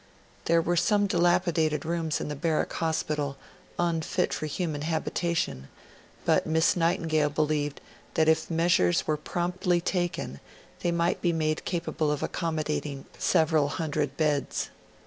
There were some dilapidated rooms in the Barrack Hospital, unfit for human habitation, but Miss Nightingale believed that if measures were promptly taken they might be made capable of accommodating several hundred beds.